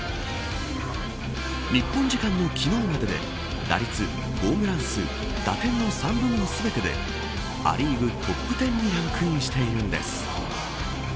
日本時間の昨日までで打率、ホームラン数打点の３部門全てでア・リーグトップ１０にランクインしているんです。